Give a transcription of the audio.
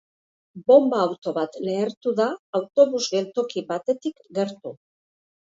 Bonba-auto bat lehertu da autobus-geltoki batetik gertu.